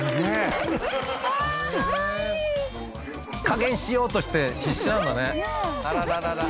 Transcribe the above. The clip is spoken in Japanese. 「加減しようとして必死なんだね」「あららら。